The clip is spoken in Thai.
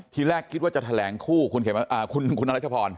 ทีแรกคิดว่าจะแถลงคู่คุณรัชพร